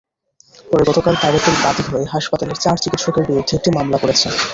পরে গতকাল তারেকুল বাদী হয়ে হাসপাতালের চার চিকিৎসকের বিরুদ্ধে একটি মামলা করেছেন।